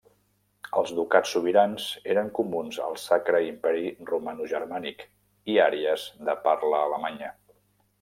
Els ducats sobirans eren comuns al Sacre Imperi Romanogermànic i àrees de parla alemanya.